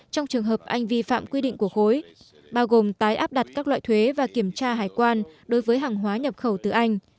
trong trường hợp anh vi phạm quy định của khối bao gồm tái áp đặt các loại thuế và kiểm tra hải quan đối với hàng hóa nhập khẩu từ anh